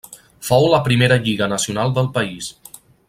Fou la primera lliga nacional del país.